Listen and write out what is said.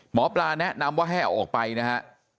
หมอปลาแนะนำว่าให้เอาออกไปนะฮะ